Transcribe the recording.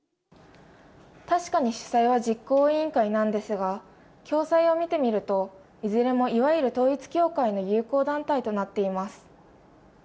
確かに主催は実行委員会なのですが共催を見てみると、いずれもいわゆる統一教会の友好団体となっています。